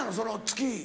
月。